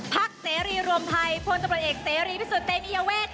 พักเสรีรวมไทยคนตำรัสเอกเสรีพิสุทธิ์เต็มอียะเวสค่ะ